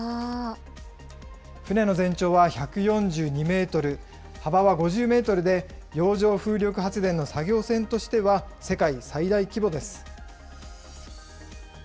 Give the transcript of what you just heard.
船の全長は１４２メートル、幅は５０メートルで、洋上風力発電の作業船としては世界最大規模です。